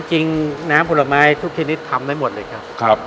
น้ำผลไม้ทุกชนิดทำได้หมดเลยครับ